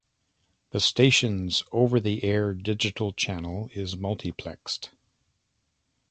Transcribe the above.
The station's over-the-air digital channel is multiplexed.